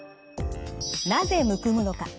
なぜむくむのか。